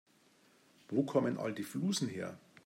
Wo kommen all die Flusen her?